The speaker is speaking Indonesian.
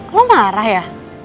lo marah ya